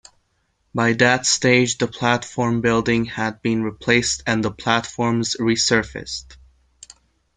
By that stage, the platform building had been replaced and the platforms resurfaced.